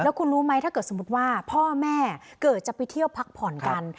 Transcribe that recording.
คุณรู้ไหมถ้าเกิดสมมุติว่าพ่อแม่เกิดจะไปเที่ยวพักผ่อนกัน